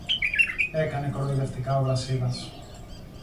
έκανε κοροϊδευτικά ο Βρασίδας.